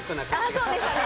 あっそうでしたね。